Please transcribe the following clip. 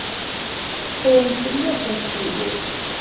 Teffremt fell-asent tidet.